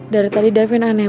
dari tadi davon aneh banget deh